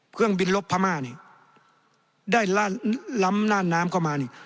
เครื่องบินลบพม่านี่ได้ล้ำน่านน้ำเข้ามานี่